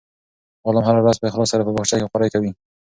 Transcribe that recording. غلام هره ورځ په اخلاص سره په باغچه کې خوارۍ کوي.